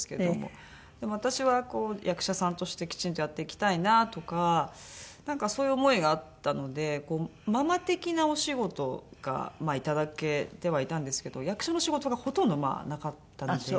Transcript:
でも私は役者さんとしてきちんとやっていきたいなとかなんかそういう思いがあったのでママ的なお仕事がいただけてはいたんですけど役者の仕事がほとんどなかったので。